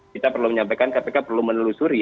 kita perlu menyampaikan kpk perlu menelusuri